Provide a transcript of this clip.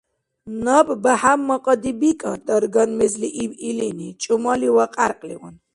— Наб БяхӀяммакьади бикӀар, — дарган мезли иб илини, чӀумали ва кьяркьливан.